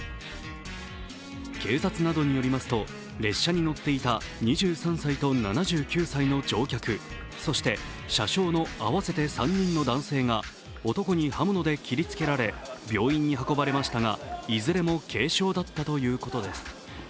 警察などによりますと、列車に乗っていた２３歳と７９歳の乗客そして車掌の合わせて３人の男性が男に刃物に切りつけられ病院に運ばれましたがいずれも軽傷だったということです。